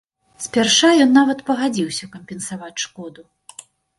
Спярша ён нават пагадзіўся кампенсаваць шкоду.